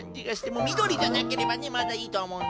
もうみどりじゃなければねまだいいとはおもうんですけど。